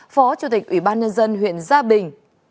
phó chủ tịch ubnd huyện gia bình